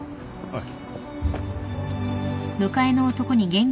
はい。